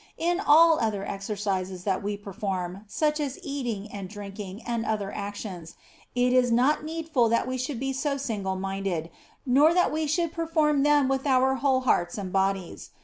In all other exercises that we perform, such as eating and drinking and other actions, it is not needful that we should be so single minded, nor that we should perform them with our whole hearts and bodies.